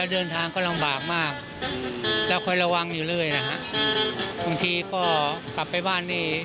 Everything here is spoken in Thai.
เดินทางก็ลำบากมากแล้วคอยระวังอยู่เรื่อยนะฮะบางทีก็กลับไปบ้านนี่